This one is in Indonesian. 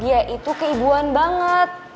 dia itu keibuan banget